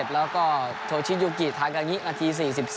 แล้วก็โชชิยูกิทากางินาที๔๒